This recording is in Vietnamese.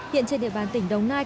hiện trên địa bàn tỉnh đồng nai